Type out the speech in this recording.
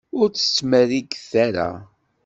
Ur tt-ttmerriget ara!